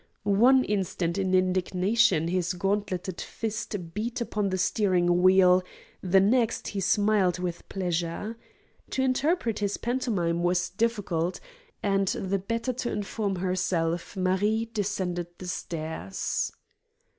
One instant in indignation his gauntleted fist beat upon the steering wheel, the next he smiled with pleasure. To interpret this pantomime was difficult; and, the better to inform herself, Marie descended the stairs.